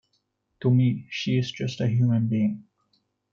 To me, she's just a human being.